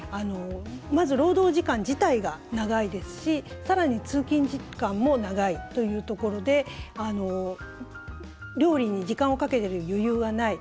まず、労働時間自体が長いですしさらに、通勤時間も長いというところで料理に時間をかけてる余裕はない。